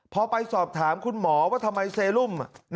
พอไปสอบถามคุณหมอว่าทำไมเซรุม